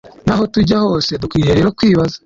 naho tujya hose Dukwiriye rero kwibaza